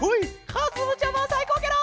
かずむちゃまさいこうケロ！